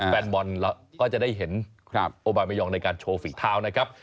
แฟนบอลก็จะได้เห็นโอบายเมยองในการโชว์ฝีเท้านะครับ